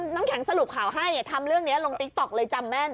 น้ำแข็งสรุปข่าวให้ทำเรื่องนี้ลงติ๊กต๊อกเลยจำแม่น